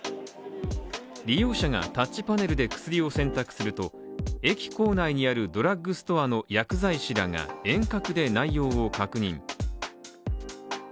利用者がタッチパネルで薬を選択すると駅構内にあるドラッグストアの薬剤師らが遠隔で内容を確認。